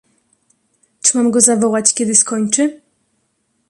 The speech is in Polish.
"Czy mam go zawołać, kiedy skończy?"